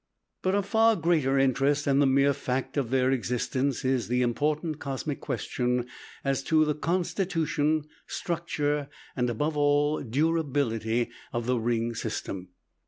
But of far greater interest than the mere fact of their existence is the important cosmic question as to the constitution, structure, and, above all, durability of the ring system.